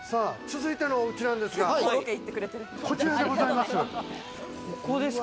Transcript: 続いてのお家なんですが、こちらでございます。